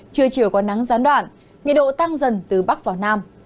trưa chiều có nắng gián đoạn nhiệt độ tăng dần từ bắc vào nam